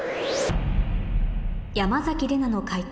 山崎怜奈の解答